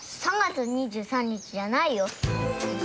３月２３日じゃないよ。